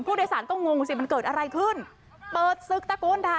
ผู้โดยสารก็งงสิมันเกิดอะไรขึ้นเปิดศึกตะโกนด่า